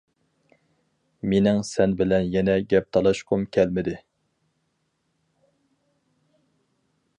مېنىڭ سەن بىلەن يەنە گەپ تالاشقۇم كەلمىدى.